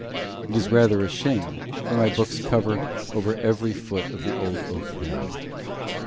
It is rather a shame, for my books cover over every foot of the old oak panelling.